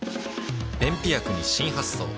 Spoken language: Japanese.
便秘薬に新発想